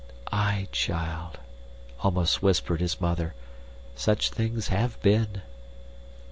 "Aye, child," almost whispered his mother, "such things have been."